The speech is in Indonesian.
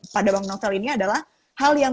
pada bank novel ini adalah hal yang